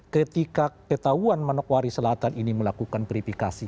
ketika ketahuan manokwari selatan ini melakukan verifikasi